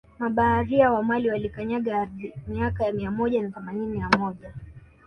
Mabaharia wa Mali walikanyaga aridhi miaka ya Mia moja na themanini na moja